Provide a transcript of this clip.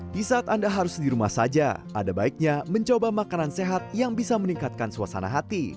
di saat anda harus di rumah saja ada baiknya mencoba makanan sehat yang bisa meningkatkan suasana hati